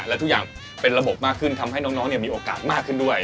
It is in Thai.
และทุกอย่างเป็นระบบมากขึ้นทำให้น้องมีโอกาสมากขึ้นด้วย